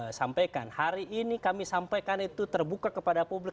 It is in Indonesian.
saya sampaikan hari ini kami sampaikan itu terbuka kepada publik